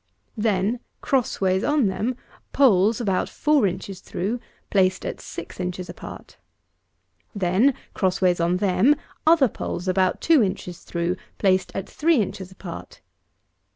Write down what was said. Then, crossways on them, poles about four inches through, placed at six inches apart. Then, crossways on them, other poles, about two inches through, placed at three inches apart.